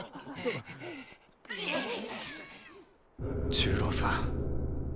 重郎さん。